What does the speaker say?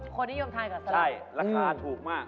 คนนิยมทานกับสไตใช่ราคาถูกมาก